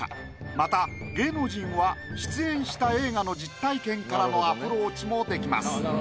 また芸能人は出演した映画の実体験からのアプローチもできます。